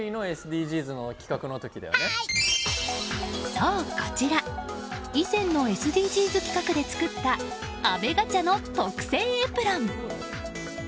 そう、こちら以前のＳＤＧｓ企画で作った阿部ガチャの特製エプロン。